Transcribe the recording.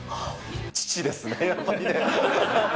父ですね、やっぱりね。